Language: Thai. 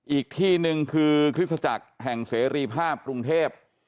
อีกที่หนึ่งคือคริสตจักรแห่งเสรีภาพกรุงเทพ